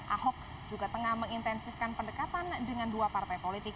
ahok juga tengah mengintensifkan pendekatan dengan dua partai politik